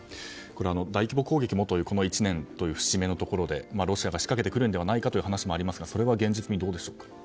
大規模攻撃もという１年の節目のところでロシアが仕掛けてくるのではないかという話もありますがそれは現実味、どうでしょうか。